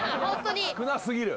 少な過ぎる。